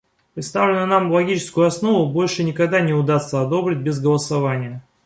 Представленную нам логическую основу больше никогда не удастся одобрить без голосования.